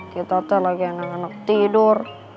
kita tuh lagi anak anak tidur